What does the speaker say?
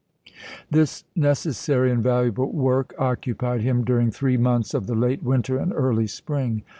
p hs." This necessary and valuable work occupied him during three months of the late winter and early spring.